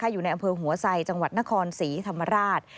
อยู่ในอำเภอหัวไซจังหวัดนครศรีธรรมราช